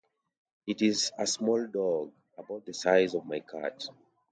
It is a small dog, about the size of my cat.